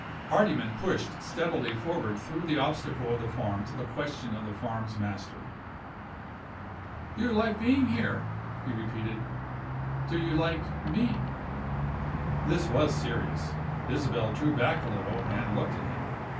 Hardyman pushed steadily forward through the obstacle of the farm to the question of the farm's master. "You like being here," he repeated. "Do you like Me?" This was serious. Isabel drew back a little, and looked at him.